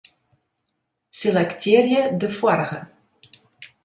Selektearje de foarige.